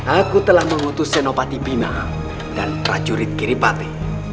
aku telah mengutus senopati bima dan pracurit giripati